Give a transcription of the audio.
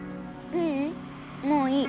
ううんもういい。